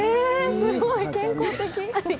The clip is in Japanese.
すごい、健康的。